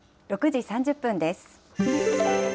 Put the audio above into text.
６時３０分です。